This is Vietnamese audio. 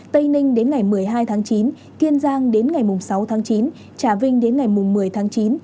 tây ninh đến ngày một mươi hai tháng chín kiên giang đến ngày sáu tháng chín trà vinh đến ngày một mươi tháng chín